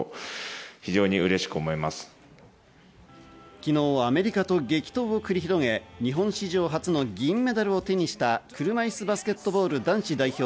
昨日、アメリカと激闘を繰り広げ、日本史上初の銀メダルを手にした車いすバスケットボール男子代表。